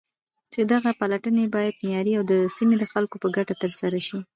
چې دغه پلټنې بايد معياري او د سيمې د خلكو په گټه ترسره شي.